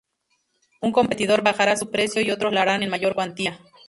Un competidor bajará su precio y otros lo harán en mayor cuantía.